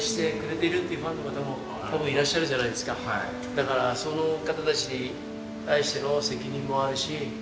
だからその方たちに対しての責任もあるし。